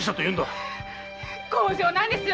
強情なんですよ